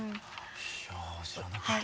いや知らなかった。